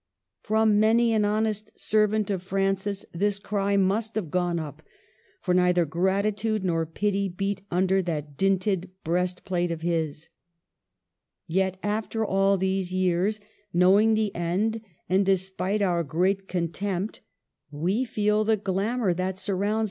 From many an honest servant of Francis this cry must have gone u]3, for neither gratitude nor pity beat under that dinted breastplate of his. Yet after all these years, knowing the end, and despite our great contempt, we feel the glamour that surrounds THE YOUNG KING AND HIS RIVALS.